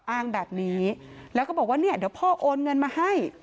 อ้างแบบนี้แล้วก็บอกว่าเนี่ยเดี๋ยวพ่อโอนเงินมาให้